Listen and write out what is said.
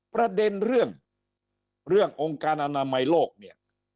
ประเด็นเรื่องเรื่ององค์การอนามัยโลกเนี่ย